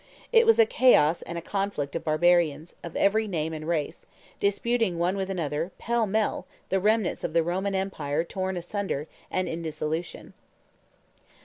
It was a chaos and a conflict of barbarians, of every name and race, disputing one with another, pell mell, the remnants of the Roman empire torn asunder and in dissolution.